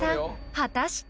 ［果たして！］